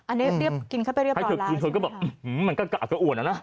อันเนี้ยเรียบกินเข้าไปเรียบรอลาให้ถึงทุกคนก็บอกอื้อหือมันก็อ่ะก็อ่วนแล้วนะ